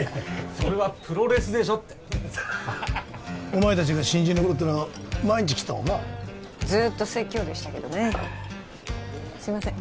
それはプロレスでしょってお前達が新人の頃っていうのは毎日来てたもんなずっと説教でしたけどねすいません